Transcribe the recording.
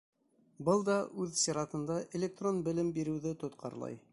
Был да үҙ сиратында электрон белем биреүҙе тотҡарлай.